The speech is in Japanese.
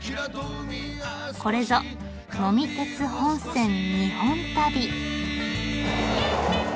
これぞ「呑み鉄本線・日本旅」！